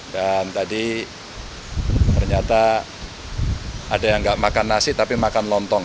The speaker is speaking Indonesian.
dan tadi ternyata ada yang gak makan nasi tapi makan lontong